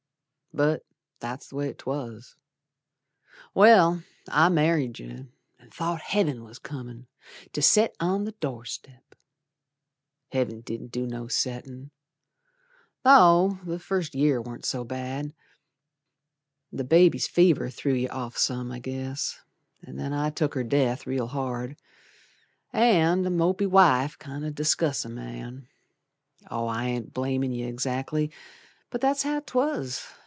But that's the way 'twas. Well, I married yer An' thought Heav'n was comin' To set on the door step. Heav'n didn't do no settin', Though the first year warn't so bad. The baby's fever threw you off some, I guess, An' then I took her death real hard, An' a mopey wife kind o' disgusts a man. I ain't blamin' yer exactly. But that's how 'twas.